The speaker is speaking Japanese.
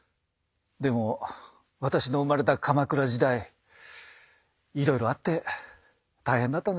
でも私の生まれた鎌倉時代いろいろあって大変だったんですよ。